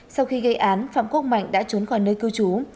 sau khi gây án phạm quốc mạnh đã trốn khỏi nơi cư trú